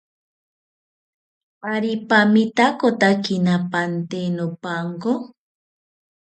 ¿Ari pamitakotakina pante nopanko?